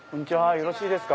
よろしいですか。